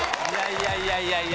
いやいやいや！